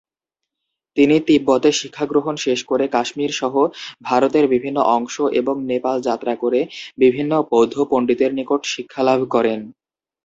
তিনি তিব্বতে শিক্ষাগ্রহণ শেষ করে কাশ্মীর সহ ভারতের বিভিন্ন অংশ এবং নেপাল যাত্রা করে বিভিন্ন বৌদ্ধ পন্ডিতের নিকট শিক্ষালাভ করেন।